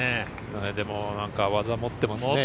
誰でも技持ってますね。